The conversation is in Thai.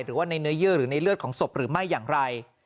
หรือว่าในเนื้อเยื่อหรือในเลือดของศพหรือไม่อย่างไร